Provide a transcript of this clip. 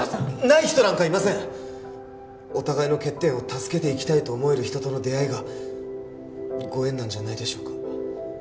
ない人なんかいませんお互いの欠点を助けていきたいと思える人との出会いがご縁なんじゃないでしょうか